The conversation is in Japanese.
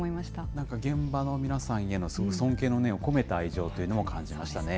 なんか現場の皆さんへの尊敬の念を込めた愛情というのも感じましたね。